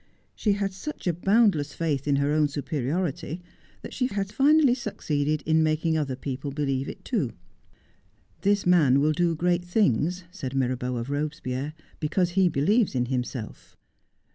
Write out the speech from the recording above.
She had such a boundless 66 Just as I Am. faith in her own superiority that she had finally succeeded in making other people believe too. 'This man will do great things,' said Mirabeau of Eobespierre, 'because he believes in himself.'